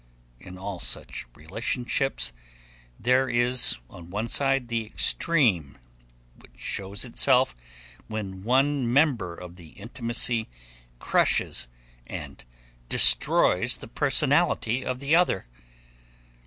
In all such relationships there is on one side the extreme which shows itself when one member of the intimacy crushes and destroys the personality of the other.